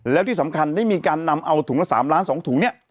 แล้วที่สำคัญได้มีการนำเอาถุงละ๓ล้าน๒ถุงเนี่ย